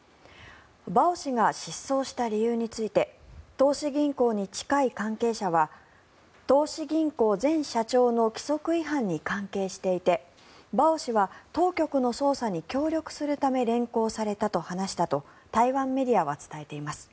バオ氏が失踪した理由について投資銀行に近い関係者は投資銀行前社長の規則違反に関係していてバオ氏は当局の捜査に協力するため連行されたと話したと台湾メディアは伝えています。